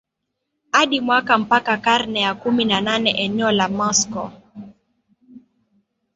hadi mwaka Mpaka karne ya kumi na nane eneo la Moscow